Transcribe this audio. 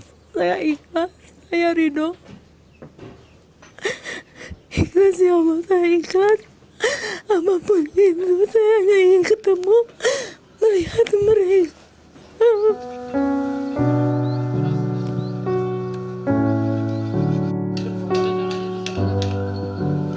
saya ikhlas saya ridho ikhlas ya allah saya ikhlas apapun itu saya hanya ingin ketemu melihat mereka